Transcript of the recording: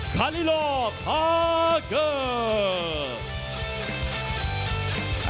คลิลอร์คาเกอร์